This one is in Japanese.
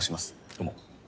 どうも。